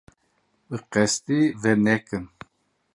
Bi qesdî vê nekin.